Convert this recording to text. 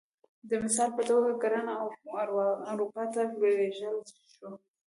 د مثال په توګه کرنه اروپا ته ولېږدول شوه